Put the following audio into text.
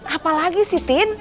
apa lagi sih tin